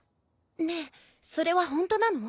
ねえそれはホントなの？